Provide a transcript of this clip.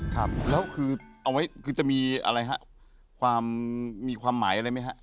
ครับแล้วคือจะมีอะไรครับมีความหมายอะไรไหมครับ